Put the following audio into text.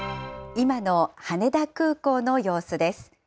今の羽田空港の様子です。